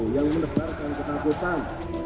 yang menebarkan ketakutan